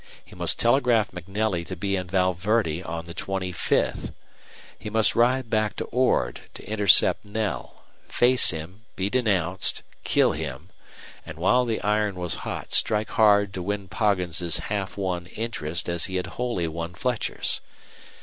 He must telegraph MacNelly to be in Val Verde on the twenty fifth. He must ride back to Ord, to intercept Knell, face him be denounced, kill him, and while the iron was hot strike hard to win Poggin's half won interest as he had wholly won Fletcher's.